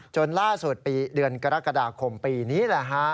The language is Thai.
จนล่าสุดเดือนกรกฎาคมปีนี้แหละฮะ